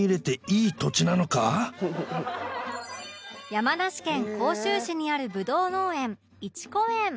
山梨県甲州市にあるブドウ農園一古園